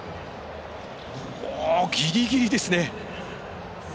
ギリギリですね。